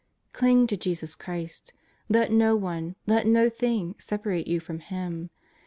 Cling to Jesus Christ. Let no one, let no thing separate you from Him.